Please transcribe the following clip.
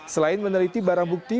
selain meneliti barang bukti